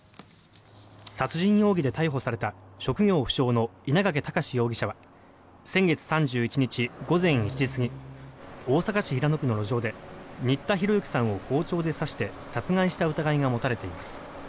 殺人容疑で逮捕された職業不詳の稲掛躍容疑者は先月３１日午前１時過ぎ大阪市平野区の路上で新田浩之さんを包丁で刺して殺害した疑いが持たれています。